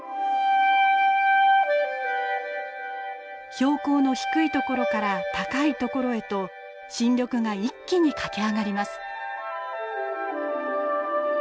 標高の低い所から高い所へと新緑が一気に駆け上がります。